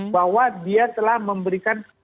bahwa dia telah memberikan